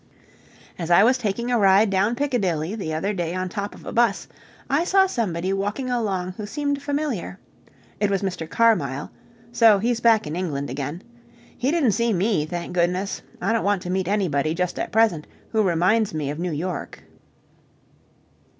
As I was taking a ride down Piccadilly the other day on top of a bus, I saw somebody walking along who seemed familiar. It was Mr. Carmyle. So he's back in England again. He didn't see me, thank goodness. I don't want to meet anybody just at present who reminds me of New York.